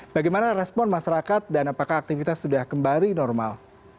bagaimana respon masyarakat dan apakah aktivitas sudah kembali normal